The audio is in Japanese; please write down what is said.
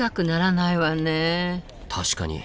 確かに。